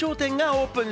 オープン。